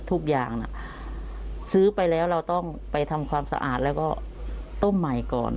ทุกอย่างซื้อไปแล้วเราต้องไปทำความสะอาดแล้วก็ต้มใหม่ก่อน